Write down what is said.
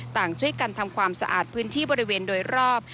ต่างช่วยกันทำความสะอาดพื้นที่บริเวณโดยรอบ